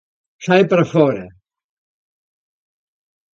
Sae para fóra.